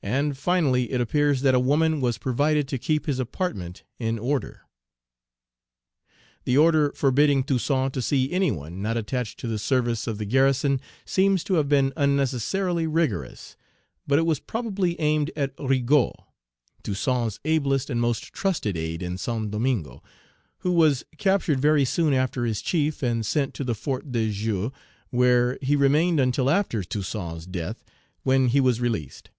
And, finally, it appears that a woman was provided to keep his apartment in order. The order forbidding Toussaint to see any one not attached to the service of the garrison seems to have been unnecessarily rigorous, but it was probably aimed at Rigaud, Toussaint's ablest and most trusted aid in Saint Domingo, who was captured very soon after his chief and sent to the Fort de Joux, where he remained until after Toussaint's death, when he was released.